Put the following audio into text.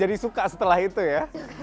suka setelah itu ya